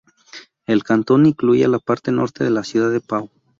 El cantón incluía la parte norte de la ciudad de Pau.